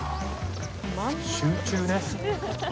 集中ね。